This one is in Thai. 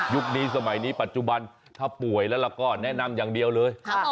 นี้สมัยนี้ปัจจุบันถ้าป่วยแล้วก็แนะนำอย่างเดียวเลย